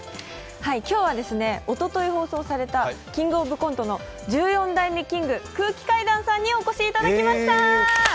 今日はおととい放送された「キングオブコント」の１４代目キング、空気階段さんにお越し頂きました。